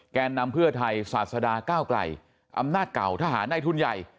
แกนนำเพื่อไทยศาสดาก้าวไกลอำนาจเก่าทหารในทุนใหญ่